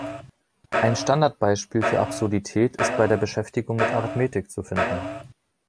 Ein Standard-Beispiel für Absurdität ist bei der Beschäftigung mit Arithmetik zu finden.